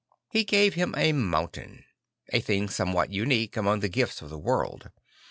He gave him a mountain; a thing somewhat unique among the gifts of the world.